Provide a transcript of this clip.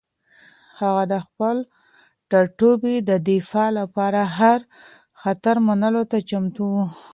هغه د خپل ټاټوبي د دفاع لپاره هر خطر منلو ته چمتو و.